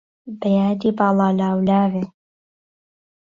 به یادی باڵا لاولاوێ